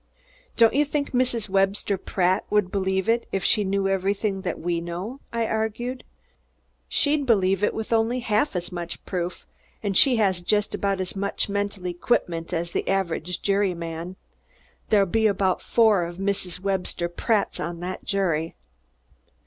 "Don't you think Mrs. Webster Pratt would believe it, if she knew everything that we know?" I argued. "She'd believe it with only half as much proof, and she has just about the mental equipment of the average juryman. There'll be about four Mrs. Webster Pratts on that jury."